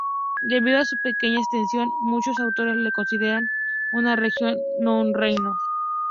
Debido a su pequeña extensión, muchos autores lo consideran una región, no un reino.